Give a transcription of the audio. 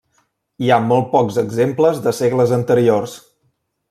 Hi ha molt pocs exemples de segles anteriors.